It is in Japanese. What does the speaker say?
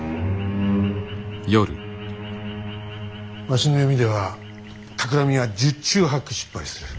わしの読みではたくらみは十中八九失敗する。